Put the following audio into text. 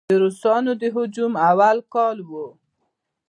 د روسانو د هجوم اول کال و.